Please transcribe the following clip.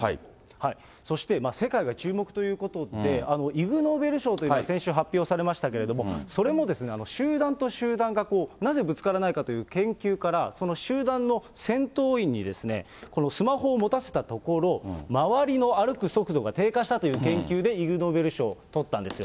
そして、世界が注目ということで、イグ・ノーベル賞というのが先週発表されましたけれども、それも、集団と集団がなぜぶつからないかという研究から、その集団の先頭員に、このスマホを持たせたところ、周りの歩く速度が低下したという研究でイグ・ノーベル賞をとったんですよ。